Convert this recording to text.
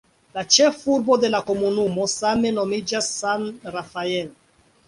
La ĉefurbo de la komunumo same nomiĝas "San Rafael".